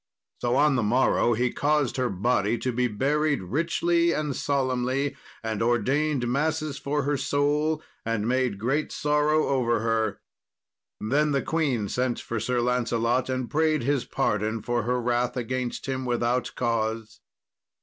So on the morrow, he caused her body to be buried richly and solemnly, and ordained masses for her soul, and made great sorrow over her. Then the queen sent for Sir Lancelot, and prayed his pardon for her wrath against him without cause.